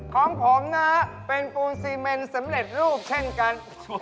ของผมนะฮะเป็นปูนซีเมนสำเร็จรูปเช่นกัน